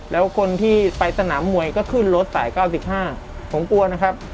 แล้วคนที่ไปสนามมวยก็ขึ้นรถสาย๙๕ผมกลัวนะครับ